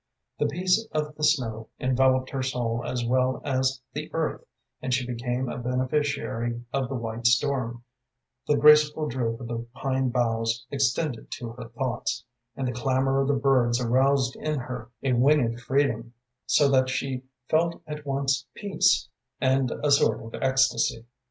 The peace of the snow enveloped her soul as well as the earth, and she became a beneficiary of the white storm; the graceful droop of the pine boughs extended to her thoughts, and the clamor of the birds aroused in her a winged freedom, so that she felt at once peace and a sort of ecstasy.